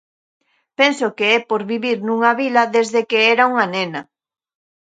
Penso que é por vivir nunha vila desde que era unha nena.